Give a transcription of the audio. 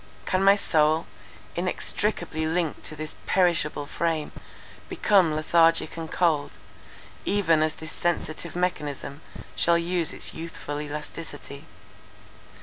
Can my soul, inextricably linked to this perishable frame, become lethargic and cold, even as this sensitive mechanism shall lose its youthful elasticity?